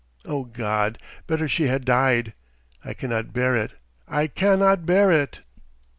Oh God, better she had died! I cannot bear it! I cannot bear it!"